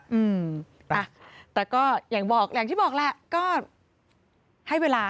อืมแต่ก็อย่างที่บอกแหละก็ให้เวลา